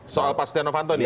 soal pak setia nopanto ini ya